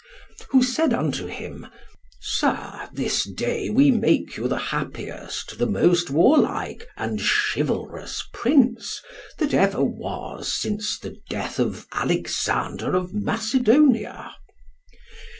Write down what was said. who said unto him, Sir, this day we make you the happiest, the most warlike and chivalrous prince that ever was since the death of Alexander of Macedonia.